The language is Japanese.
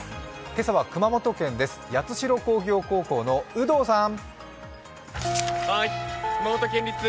今朝は熊本県です、八代工業高校の有働さん。